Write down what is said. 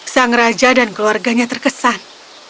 sang raja dan keluarganya terkesan